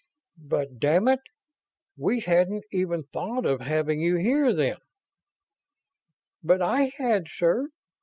"But damn it, we hadn't even thought of having you here then!" "But I had, sir.